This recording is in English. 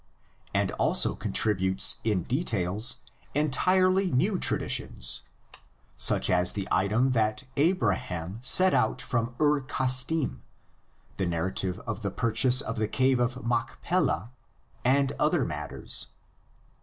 349), and also contributes in details entirely new traditions (such as the item that Abraham set out from Ur Kasdim, the narrative of the purchase of the cave of Mach pelah, and other matters).